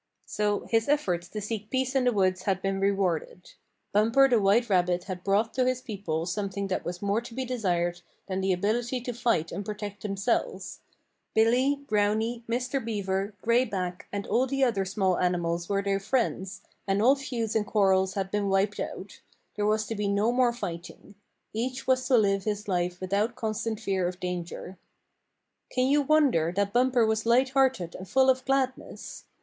So his efforts to seek peace in the woods had been rewarded. Bumper the white rabbit had brought to his people something that was more to be desired than the ability to fight and protect themselves. Billy, Browny, Mr. Beaver, Gray Back and all the other small animals were their friends, and all feuds and quarrels had been wiped out. There was to be no more fighting. Each was to live his life without constant fear of danger. Can you wonder that Bumper was light hearted and full of gladness?